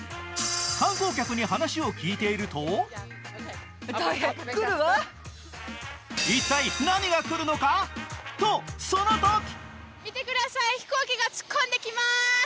観光客に話を聞いていると一体何が来るのかそのとき！